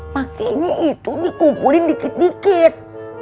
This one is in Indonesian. makanya itu dikumpulin dikit dikit